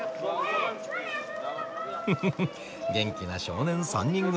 ふふふ元気な少年３人組。